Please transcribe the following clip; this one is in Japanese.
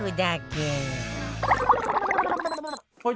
はい。